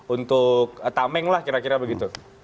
untuk tameng lah kira kira begitu